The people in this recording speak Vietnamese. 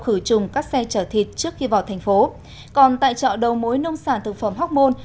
khử trùng các xe chở thịt trước khi vào thành phố còn tại chợ đầu mối nông sản thực phẩm hoc mon